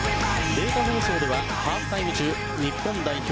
データ放送ではハーフタイム中日本代表